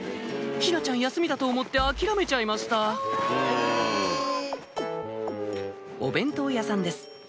陽菜ちゃん休みだと思って諦めちゃいましたお弁当屋さんです